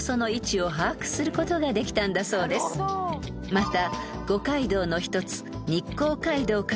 ［また］